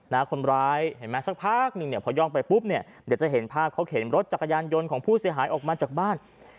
คนร้ายเห็นไหมสักพักหนึ่งเนี่ยพอย่องไปปุ๊บเนี่ยเดี๋ยวจะเห็นภาพเขาเข็นรถจักรยานยนต์ของผู้เสียหายออกมาจากบ้าน